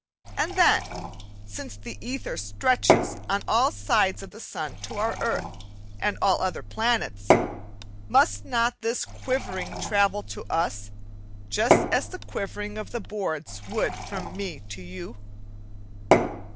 And then, since the ether stretches on all sides from the sun to our earth and all other planets, must not this quivering travel to us, just as the quivering of the boards would from me to you?